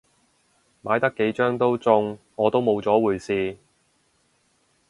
買得幾張都中，我都冇咗回事